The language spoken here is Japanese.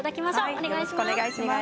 お願いします。